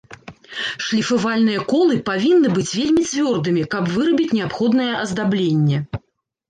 Шліфавальныя колы павінны быць вельмі цвёрдымі, каб вырабіць неабходнае аздабленне.